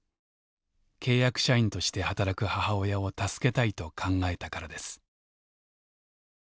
契約社員として働く母親を助けたいと考えたからです。